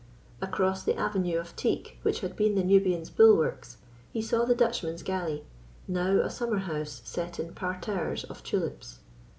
Across the avenue of teak which had been the Nubian's bulwarks he saw the Dutchman's galley, now a summer house set in parterres of tulips.